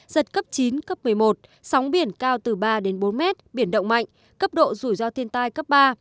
giật cấp chín cấp một mươi một sóng biển cao từ ba đến bốn mét biển động mạnh cấp độ rủi ro thiên tai cấp ba